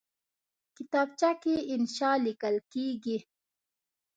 کتابچه کې انشاء لیکل کېږي